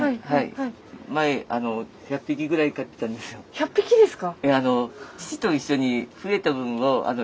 １００匹ですか！？